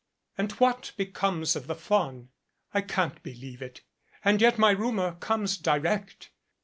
And what becomes of the faun? I can't be lieve it and yet my rumor comes direct.